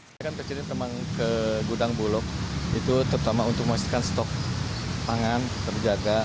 menjelang keamanan stok pangan ke gudang bulog itu terutama untuk memastikan stok pangan terjaga